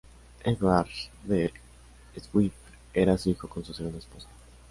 Edward D. Swift era su hijo con su segunda esposa.